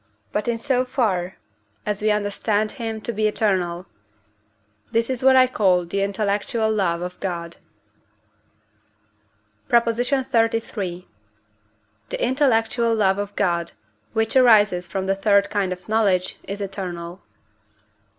but in so far as we understand him to be eternal; this is what I call the intellectual love of God. PROP. XXXIII. The intellectual love of God, which arises from the third kind of knowledge, is eternal.